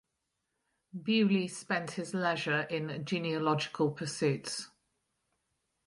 Bewley spent his leisure in genealogical pursuits.